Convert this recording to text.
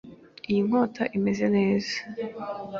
Iyi nkota imeze neza.